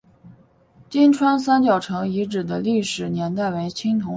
金川三角城遗址的历史年代为青铜时代。